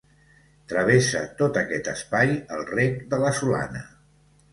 Travessa tot aquest espai el Rec de la Solana.